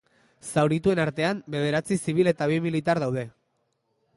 Zaurituen artean, bederatzi zibil eta bi militar daude.